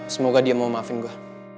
semoga dia mau maafin gue